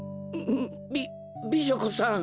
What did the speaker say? び美女子さん。